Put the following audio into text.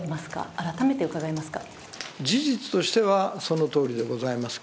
改めて伺えますか。